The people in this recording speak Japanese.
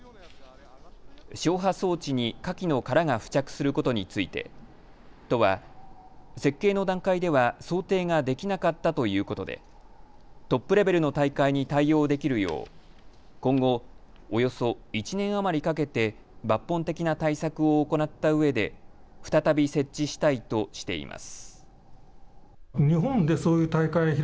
消波装置に、かきの殻が付着することについて都は設計の段階では想定ができなかったということでトップレベルの大会に対応できるよう今後、およそ１年余りかけて抜本的な対策を行ったうえで再び設置したいとしています。